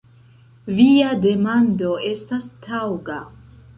Via demando estas taŭga.